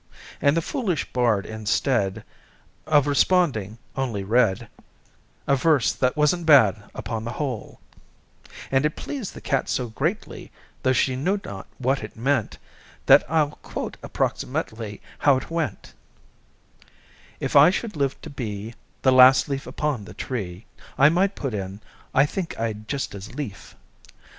And the foolish bard, instead Of responding, only read A verse that wasn't bad upon the whole: And it pleased the cat so greatly, Though she knew not what it meant, That I'll quote approximately How it went: "If I should live to be The last leaf upon the tree" (I might put in: "I think I'd just as leaf!")